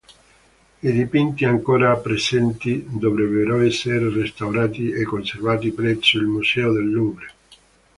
I dipinti ancora presenti dovrebbero essere restaurati e conservati presso il Museo del Louvre.